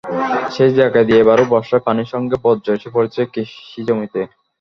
সেই জায়গা দিয়ে এবারও বর্ষায় পানির সঙ্গে বর্জ্য এসে পড়েছে কৃষিজমিতে।